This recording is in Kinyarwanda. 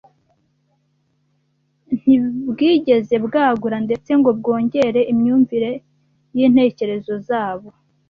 ntibwigeze bwagura ndetse ngo bwongere imyumvire y’intekerezo zabo.